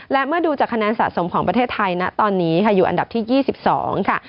และเมื่อดูจากคะแนนสะสมของประเทศไทยณตอนนี้ค่ะอยู่อันดับที่๒๒ค่ะ